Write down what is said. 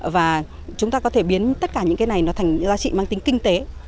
và chúng ta có thể biến tất cả những cái này nó thành giá trị mang tính kinh tế